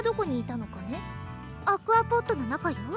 アクアポットの中よ